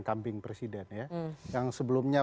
kambing presiden ya yang sebelumnya